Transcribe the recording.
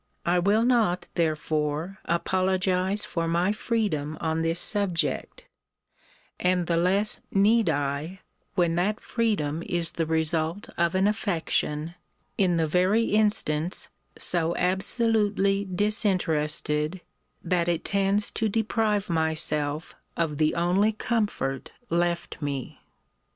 I will not therefore apologize for my freedom on this subject: and the less need I, when that freedom is the result of an affection, in the very instance, so absolutely disinterested, that it tends to deprive myself of the only comfort left me.